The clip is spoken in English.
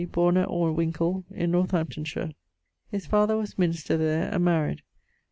borne at Orwincle[LXXIII.] in Northamptonshire. His father was minister there, and maried ...